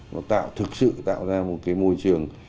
nó tạo thực sự tạo ra một cái môi trường